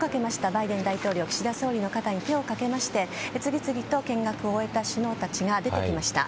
バイデン大統領岸田総理の肩に手をかけまして次々と見学を終えた首脳たちが出てきました。